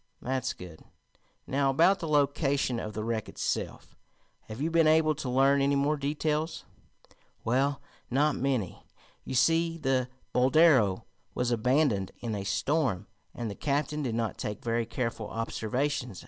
"That's good. Now about the location of the wreck itself. Have you been able to learn any more details?" "Well, not many. You see, the Boldero was abandoned in a storm, and the captain did not take very careful observations.